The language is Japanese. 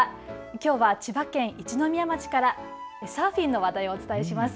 きょうは千葉県一宮町からサーフィンの話題をお伝えします。